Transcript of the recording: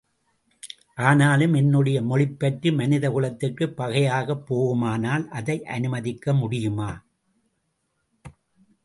ஆனாலும் என்னுடைய மொழிப்பற்று மனித குலத்திற்குப் பகையாகப் போகுமானால் அதை அனுமதிக்க முடியுமா?